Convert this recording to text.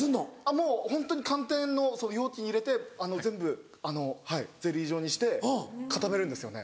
もうホントに寒天の容器に入れて全部ゼリー状にして固めるんですよね。